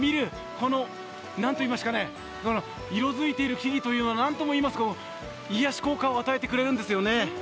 この何といいましょうかね、色づいている木々というのが何ともいえない癒やし効果を与えてくれるんですよね。